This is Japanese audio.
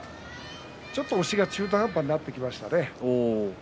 ちょっと押しが中途半端になってきましたね。